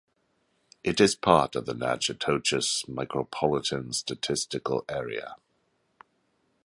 It is part of the Natchitoches Micropolitan Statistical Area.